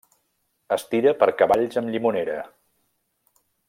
Es tira per cavalls amb llimonera.